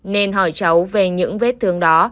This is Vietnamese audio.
nên hỏi cháu về những vết thương đó